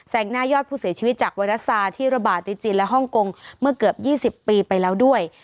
งหน้ายอดผู้เสียชีวิตจากไวรัสซาที่ระบาดในจีนและฮ่องกงเมื่อเกือบ๒๐ปีไปแล้วด้วย